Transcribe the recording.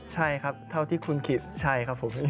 ใช่ครับเท่าที่คุณคิดใช่ครับผม